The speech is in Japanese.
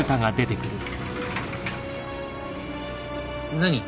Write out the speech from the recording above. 何？